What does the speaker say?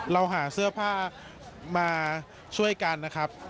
เราหาเสื้อผ้ามาช่วยกันนะครับ